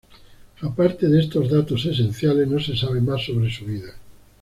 Aparte de estos datos esenciales no se sabe más sobre su vida.